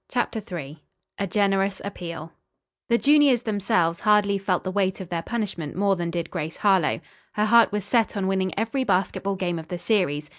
CHAPTER III A GENEROUS APPEAL The juniors themselves hardly felt the weight of their punishment more than did Grace Harlowe. Her heart was set on winning every basketball game of the series.